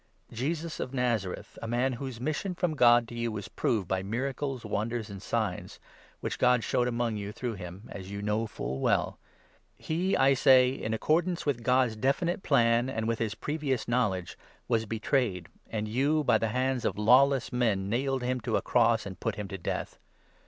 Jesus of Nazareth, 22 a man whose mission from God to you was proved by miracles, wonders, and signs, which God showed among you through him, as you know full well — he, I say, in accordance with 23 God's definite plan and with his previous knowledge, was betrayed, and you, by the hands of lawless men, nailed him to a cross and put him to death.